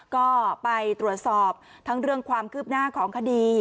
ก็ไปตรวจสอบทั้งเรื่องความคืบหน้าของคดี